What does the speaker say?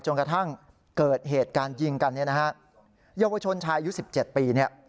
จนกระทั่งเกิดเหตุการยิงกันยาวชนชายอายุ๑๗ปี